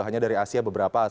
hanya dari asia beberapa